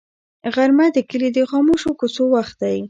غرمه د کلي د خاموشو کوڅو وخت دی